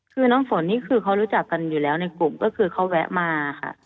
คือน้องฝนนี่คือเขารู้จักกันอยู่แล้วในกลุ่มก็คือเขาแวะมาค่ะ